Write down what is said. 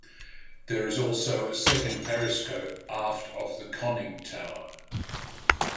There is also a second periscope aft of the conning tower.